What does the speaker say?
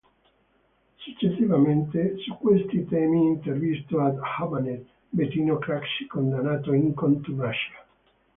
Successivamente su questi temi intervistò ad Hammamet Bettino Craxi, condannato in contumacia.